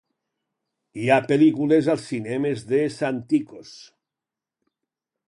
Hi ha pel·lícules als cinemes de Santikos